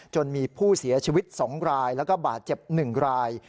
จนมีผู้เสียชีวิต๒รายแล้วก็บาดเจ็บ๑ราย